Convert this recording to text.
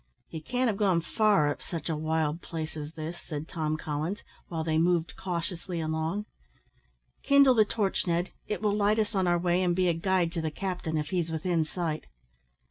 "He can't have gone far up such a wild place as this," said Tom Collins, while they moved cautiously along. "Kindle the torch, Ned, it will light us on our way, and be a guide to the captain if he's within sight."